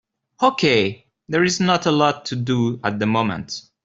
Okay, there is not a lot to do at the moment.